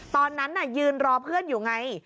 ตอนนั้นยืนรอเพื่อนอยู่ไง